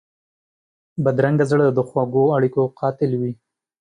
بدرنګه زړه د خوږو اړیکو قاتل وي